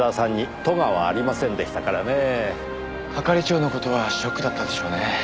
係長の事はショックだったでしょうね。